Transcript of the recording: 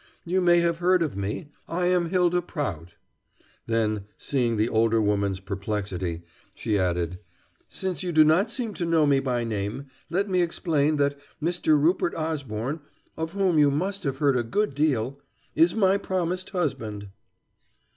"You may have heard of me. I am Hylda Prout." ... Then, seeing the older woman's perplexity, she added: "Since you do not seem to know me by name, let me explain that Mr. Rupert Osborne, of whom you must have heard a good deal, is my promised husband."